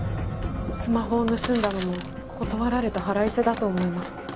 スマホを盗んだのも断られた腹いせだと思います。